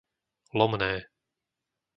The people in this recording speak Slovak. Lomné